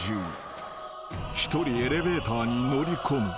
［一人エレベーターに乗り込む。